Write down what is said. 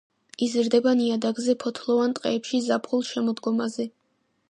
იზრდება ნიადაგზე ფოთლოვან ტყეებში ზაფხულ-შემოდგომაზე.